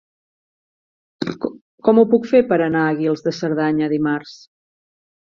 Com ho puc fer per anar a Guils de Cerdanya dimarts?